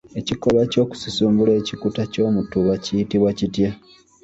Ekikolwa eky’okususumbula ekikuta ky’omutuba kiyitibwa kitya?